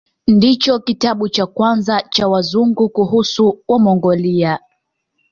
Ndicho kitabu cha kwanza cha Wazungu kuhusu Wamongolia.